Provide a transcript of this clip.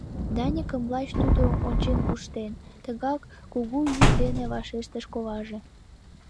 — Даникым лач тудо ончен куштен, — тыгак кугу йӱк дене вашештыш коваже.